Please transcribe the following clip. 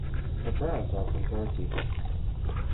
Her parents are from Turkey.